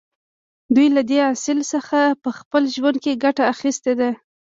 دوی له دې اصل څخه په خپل ژوند کې ګټه اخیستې ده